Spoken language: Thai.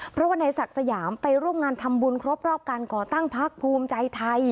เพราะว่านายศักดิ์สยามไปร่วมงานทำบุญครบรอบการก่อตั้งพักภูมิใจไทย